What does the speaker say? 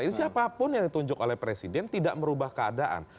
ini siapapun yang ditunjuk oleh presiden tidak merubah keadaan